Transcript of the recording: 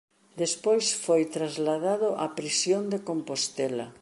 Despois foi trasladado á prisión de Compostela.